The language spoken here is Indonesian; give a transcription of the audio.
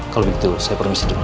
kalau begitu saya premisi dulu